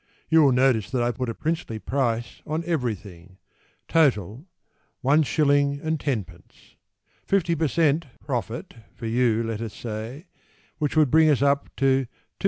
(You will notice that I put a princely price on everything), Total, 1s. 10d. Fifty per cent. profit for you, let us say, Would bring us up to 2s.